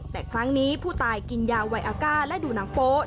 แต่ครั้งนี้ผู้ตายกินยาไวอาก้าและดูหนังโป๊